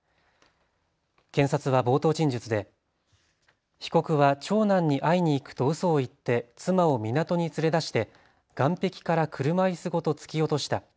検察は冒頭陳述で被告は長男に会いに行くとうそを言って妻を港に連れ出して岸壁から車いすごと突き落とした。